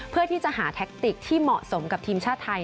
เพื่อที่จะหาแท็กติกที่เหมาะสมกับทีมชาติไทย